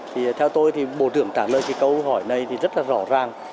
thì theo tôi thì bộ trưởng trả lời cái câu hỏi này thì rất là rõ ràng